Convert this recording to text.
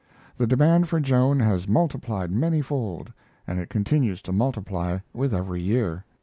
The demand for Joan has multiplied many fold and it continues to multiply with every year.